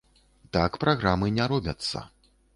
Так праграмы не робяцца.